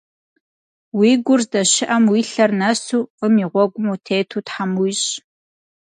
Уи гур здэщыӏэм уи лъэр нэсу, фӏым и гъуэгум утету Тхьэм уищӏ!